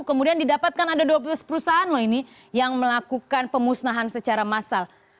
kemudian didapatkan ada dua belas perusahaan loh ini yang melakukan pemusnahan secara massal